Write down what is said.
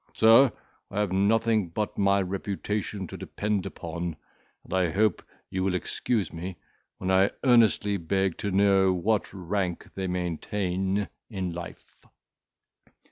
Sir, I have nothing but my reputation to depend upon, and I hope you will excuse me, when I earnestly beg to know what rank they maintain in life."